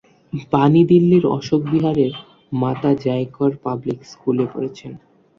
বাণী দিল্লীর অশোক বিহারের 'মাতা জ্যায় কর পাবলিক স্কুল' এ পড়েছেন।